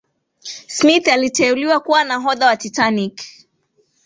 smith aliteuliwa kuwa nahodha wa titanic